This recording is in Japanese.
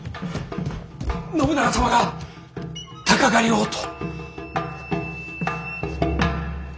信長様が鷹狩りをと！